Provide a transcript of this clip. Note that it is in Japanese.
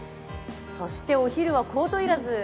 そしてお昼はコートいらず。